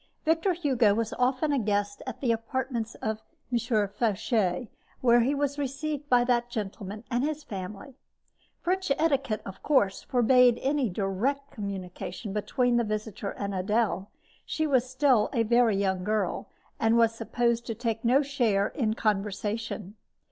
Victor Hugo was often a guest at the apartments of M. Foucher, where he was received by that gentleman and his family. French etiquette, of course, forbade any direct communication between the visitor and Adele. She was still a very young girl, and was supposed to take no share in the conversation.